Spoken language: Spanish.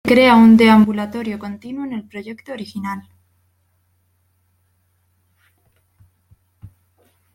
Se crea un deambulatorio continuo en el proyecto original.